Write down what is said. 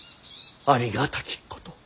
ありがたきこと。